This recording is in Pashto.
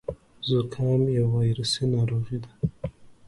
زکام يو وايرسي ناروغي ده.